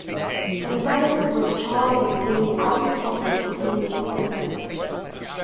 Gonzalez was charged with paying Adan Cantu for doing no work.